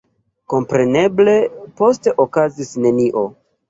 Kompreneble poste okazis nenio.